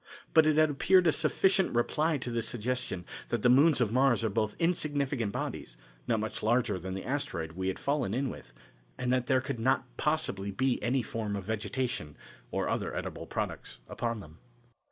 But it had appeared a sufficient reply to this suggestion that the moons of Mars are both insignificant bodies, not much larger than the asteroid we had fallen in with, and that there could not possibly be any form of vegetation or other edible products upon them.